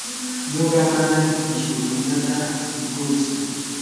nuqa manam mishkiykunata mikutsu.